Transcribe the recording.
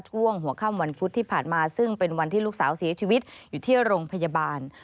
ช่วงหัวค่ำวันพุธที่ผ่านมาซึ่งเป็นวันที่ลูกสาวเสียชีวิตอยู่ที่โรงพยาบาล